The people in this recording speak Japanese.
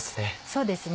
そうですね。